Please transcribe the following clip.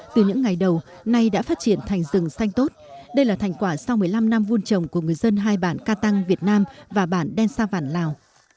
từ những ngày đầu nay đã phát triển thành rừng xanh tốt đây là thành quả sau một mươi năm năm vun trồng của người dân hai bản ca tăng việt nam và bản đen sa văn lào